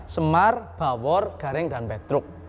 semar bawor gareng dan petruk